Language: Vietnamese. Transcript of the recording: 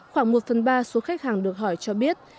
khoảng một phần ba số khách hàng được hỏi cho biết